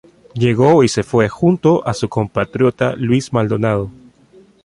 Llegó y se fue junto a su compatriota Luis Maldonado.